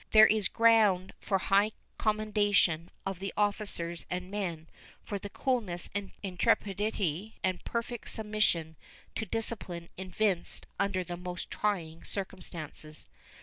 There is ground for high commendation of the officers and men for the coolness and intrepidity and perfect submission to discipline evinced under the most trying circumstances.